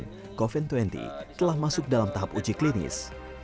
dan karena itu covid sembilan belas telah masuk dalam tahap uji klinis